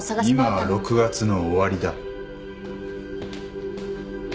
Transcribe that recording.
今は６月の終わりだ。